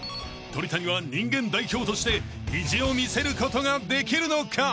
［鳥谷は人間代表として意地を見せることができるのか？］